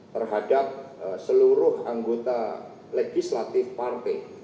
terhadap seluruh anggota legislatif partai